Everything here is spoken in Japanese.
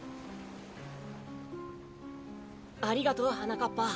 ありがとうはなかっぱ。